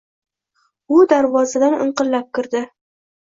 U darvozadan inqillab kirdi.